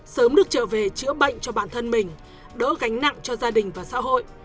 sớm được trở về chữa bệnh cho bản thân mình đỡ gánh nặng cho gia đình và xã hội